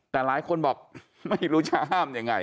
แต่หลายคนบอกไม่รู้จะห้ามยังไง